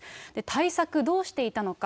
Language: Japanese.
対策、どうしていたのか。